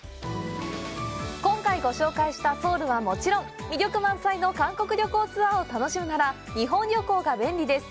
今回ご紹介したソウルはもちろん、魅力満載の韓国旅行ツアーを楽しむなら、日本旅行が便利です。